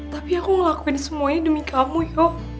tapi aku ngelakuin semua ini demi kamu yo